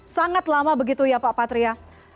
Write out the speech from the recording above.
sangat lama begitu ya pak patria